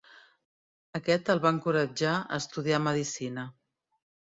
Aquest el va encoratjar a estudiar medicina.